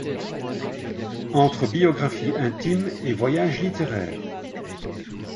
Entre biographie intime et voyage littéraire.